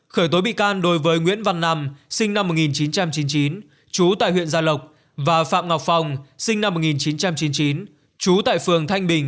khởi tố bị can đối với nguyễn văn nam sinh năm một nghìn chín trăm chín mươi chín chú tại huyện gia lộc và phạm ngọc phong sinh năm một nghìn chín trăm chín mươi chín trú tại phường thanh bình